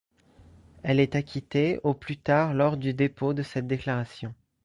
Elle est acquittée au plus tard lors du dépôt de cette déclaration.